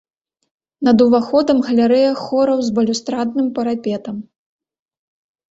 Над уваходам галерэя хораў з балюстрадным парапетам.